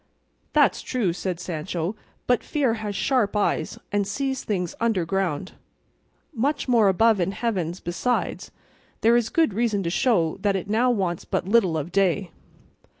"That's true," said Sancho, "but fear has sharp eyes, and sees things underground, much more above in heavens; besides, there is good reason to show that it now wants but little of day."